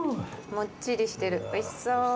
もっちりしてるおいしそう。